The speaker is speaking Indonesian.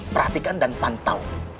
perhatikan dan pantau